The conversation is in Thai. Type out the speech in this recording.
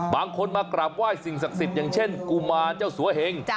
บางคนมากราบไหว้สิ่งศักดิ์สิทธิ์อย่างเช่นกุมารเจ้าสัวเหง